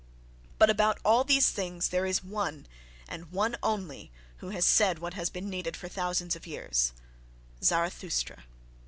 —But about all these things there is one, and one only, who has said what has been needed for thousands of years—Zarathustra.